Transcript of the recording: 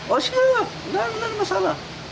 oh siap tidak ada masalah